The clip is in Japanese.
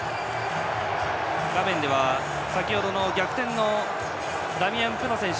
画面では先程の逆転のダミアン・プノ選手